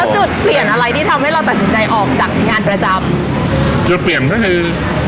จุดเปลี่ยนอะไรที่ทำให้เราตัดสินใจออกจากงานประจำจุดเปลี่ยนก็คือ